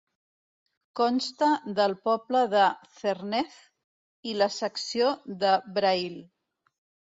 Consta del poble de Zernez i la secció de Brail.